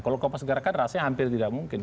kalau kopas gerakan rasanya hampir tidak mungkin